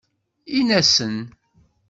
In-asen